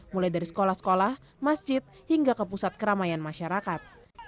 mulai dari sekolah sekolah masjid hingga ke pusat keramaian masyarakat